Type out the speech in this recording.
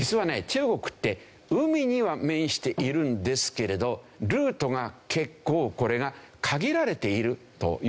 中国って海には面しているんですけれどルートが結構これが限られているという事なんですね。